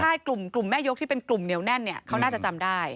ใช่กลุ่มแม่ยกที่เป็นกลุ่มเหนียวแน่นเนี่ยเขาน่าจะจำได้